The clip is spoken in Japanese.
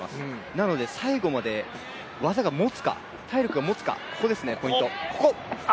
なので最後まで技がもつか、体力がもつか、ここですね、ポイント。